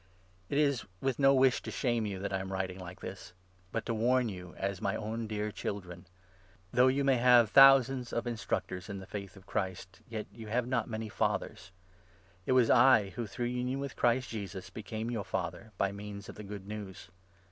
It is with no wish to shame you that I am writing like this ; 14 but to warn you as my own dear children. Though you 15 may have thousands of instructors in the Faith of Christ, yet you have not many fathers. It was I who, through union with. Christ Jesus, became your father by means of the Good News.